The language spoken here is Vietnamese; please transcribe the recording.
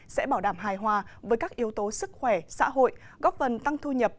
sẽ bảo đảm hài hòa với các yếu tố sức khỏe xã hội góp vần tăng thu nhập